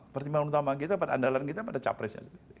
pertimbangan utama kita pada andalan kita pada capresnya